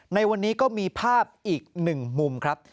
ในวันนี้ก็มีภาพอีกหนึ่งมุมครับ